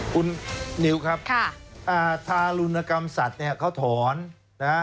คุณนิวครับทารุณกรรมศัษน์เขาถอนนะฮะ